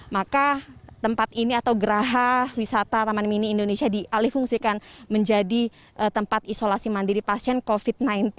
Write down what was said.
maka tempat ini atau geraha wisata taman mini indonesia dialih fungsikan menjadi tempat isolasi mandiri pasien covid sembilan belas